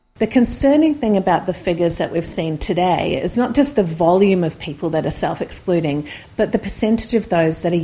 prof thomas mengatakan pemerintah bisa berbuat lebih banyak untuk mengekang tren ini